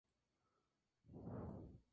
La Caída del Mono Jojoy.